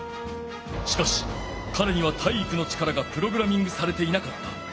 しかしかれには体育の力がプログラミングされていなかった。